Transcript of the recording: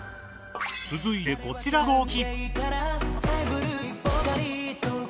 続いてこちらの動き。